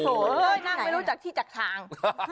ซวยแนนวะนั่งไม่รู้จักที่จักทาง